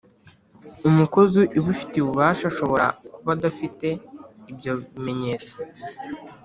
umukozi ubifitiye ububasha ashobora kuba adafite ibyo bimenyetso